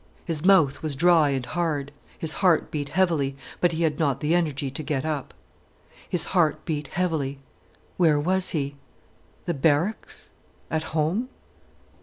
His mouth was dry and hard, his heart beat heavily, but he had not the energy to get up. His heart beat heavily. Where was he?—the barracks—at home?